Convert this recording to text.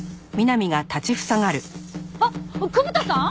あっ久保田さん？